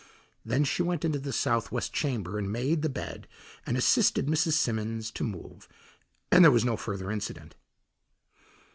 Then she went into the southwest chamber and made the bed and assisted Mrs. Simmons to move, and there was no further incident.